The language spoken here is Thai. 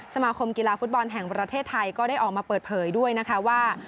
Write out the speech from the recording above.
สมาคมกีฬาฟุตบอลแห่งประเทศไทยก็ได้ออกมาเปิดเผยด้วยนะคะว่า